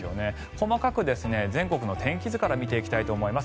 細かく全国の天気図から見ていきたいと思います。